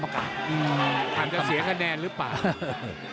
คันจะเสียคะแนนหรือป่าว